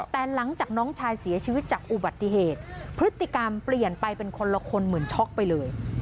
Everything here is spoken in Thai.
แต่หลังจากน้องชายเสียชีวิตจากอุบัติเหตุพฤติกรรมเปลี่ยนไปเป็นคนละคนเหมือนช็อกไปเลย